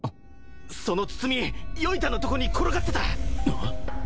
その包み宵太のとこに転がってた！